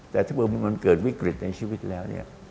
แต่ถ้ามันเกิดวิกฤตในชีวิตแล้วเนี่ย